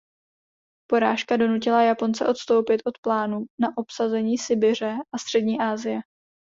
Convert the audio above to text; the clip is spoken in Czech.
Porážka donutila Japonce odstoupit od plánu na obsazení Sibiře a střední Asie.